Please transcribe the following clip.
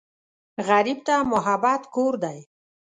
غریب ته محبت کور دی